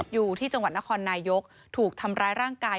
อยู่ที่จังหวัดนครนายกถูกทำร้ายร่างกาย